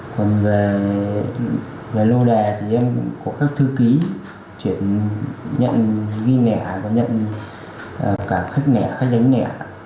còn về lô đề thì em cũng có các thư ký chuyển nhận ghi nẻ và nhận cả khách nẻ khách đánh nẻ